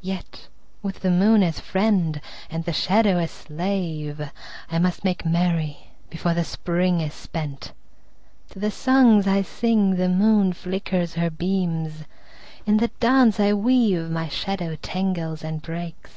Yet with the moon as friend and the shadow as slave I must make merry before the Spring is spent. To the songs I sing the moon flickers her beams; In the dance I weave my shadow tangles and breaks.